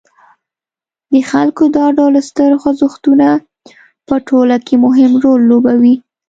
د خلکو دا ډول ستر خوځښتونه په ټولنه کې مهم رول لوبوي.